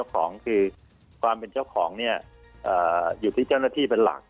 ของคือความเป็นเจ้าของเนี่ยอยู่ที่เจ้าหน้าที่เป็นหลัก